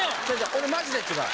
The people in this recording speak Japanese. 俺マジで違う。